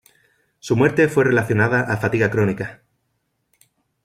Su muerte fue relacionada a fatiga crónica.